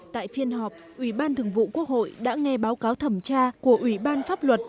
tại phiên họp ủy ban thường vụ quốc hội đã nghe báo cáo thẩm tra của ủy ban pháp luật